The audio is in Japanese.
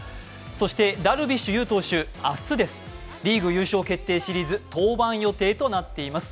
そしてダルビッシュ有投手明日、リーグ優勝決定シリーズ登板予定となっています。